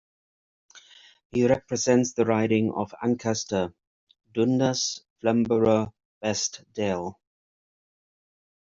He represents the riding of Ancaster—Dundas—Flamborough—Westdale.